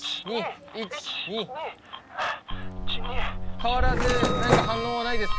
変わらず何か反応はないですか？